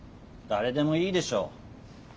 誰でもいいでしょ。